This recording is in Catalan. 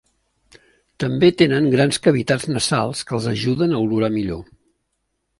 També tenen grans cavitats nasals, que els ajuden a olorar millor.